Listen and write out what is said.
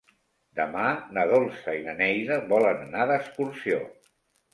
Demà na Dolça i na Neida volen anar d'excursió.